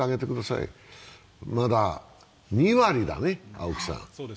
まだ２割だね、青木さん。